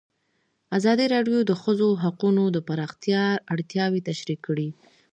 ازادي راډیو د د ښځو حقونه د پراختیا اړتیاوې تشریح کړي.